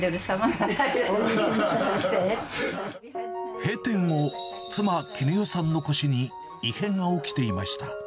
閉店後、妻、絹代さんの腰に異変が起きていました。